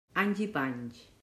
Anys i panys.